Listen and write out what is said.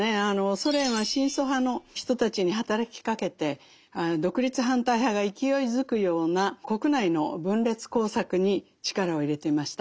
ソ連は親ソ派の人たちに働きかけて独立反対派が勢いづくような国内の分裂工作に力を入れていました。